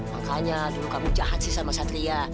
makanya dulu kamu jahat sih sama satria